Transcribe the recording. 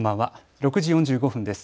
６時４５分です。